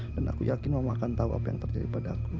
dan aku yakin mama akan tau apa yang terjadi pada aku